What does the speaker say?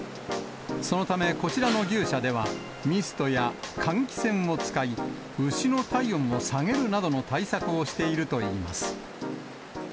そのためこちらの牛舎では、ミストや換気扇を使い、牛の体温を下げるなどの対策をしているといいます。